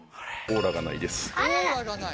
オーラがないですあらら！